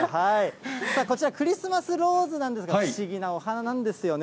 こちら、クリスマスローズなんですが、不思議なお花なんですよね。